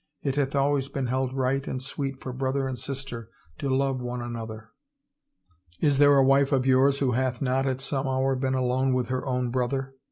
It hath always been held right and sweet for brother and sister to love one another. Is there a wife of yours who hath not at some hour been alone with her own brother?